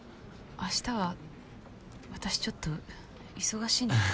明日は私ちょっと忙しいんだけど。